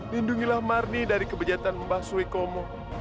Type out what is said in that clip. lindungilah marni dari kebejatan mbah suikomo